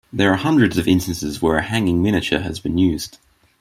There are hundreds of instances where a hanging miniature has been used.